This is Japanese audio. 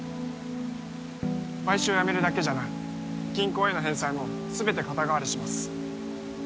買収をやめるだけじゃない銀行への返済も全て肩代わりします